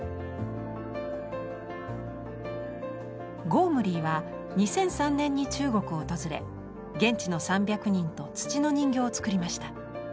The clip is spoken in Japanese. ゴームリーは２００３年に中国を訪れ現地の３００人と土の人形を作りました。